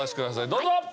どうぞ！